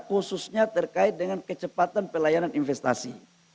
khususnya terkait dengan kecepatan pelayanan investasi